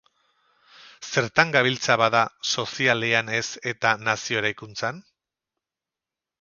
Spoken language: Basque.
Zertan gabiltza, bada, sozialean ez eta nazio eraikuntzan?